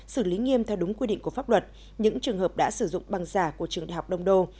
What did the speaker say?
xử lý nghiêm theo đúng quy định của pháp luật những trường hợp đã sử dụng bằng giả của trường đại học đông đô